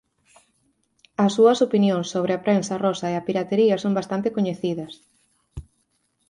As súas opinións sobre a prensa rosa e a piratería son bastante coñecidas.